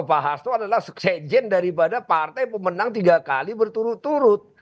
pak hasto adalah sekjen daripada partai pemenang tiga kali berturut turut